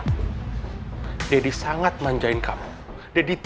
masa didi juga gak mau belain gue sih